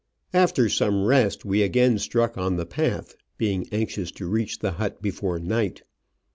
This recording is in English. After some rest we again struck on the path, being anxious to reach the hut before night.